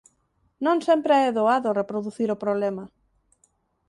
Non sempre é doado reproducir o problema.